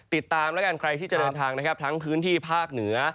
ติดตามใครที่จะเดินทางทั้งพื้นที่ภาคเหนือ